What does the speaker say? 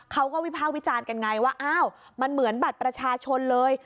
วิภาควิจารณ์กันไงว่าอ้าวมันเหมือนบัตรประชาชนเลย